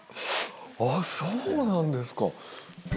あそうなんですか。